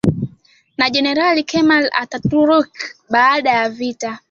na jenerali Kemal Ataturk baada ya vita